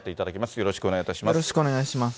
よろよろしくお願いします。